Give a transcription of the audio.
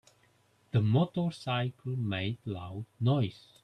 The motorcycle made loud noise.